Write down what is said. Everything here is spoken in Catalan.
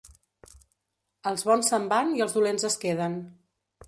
Els bons se'n van i els dolents es queden.